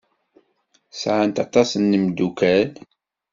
Sɛant aṭas n tmeddukal.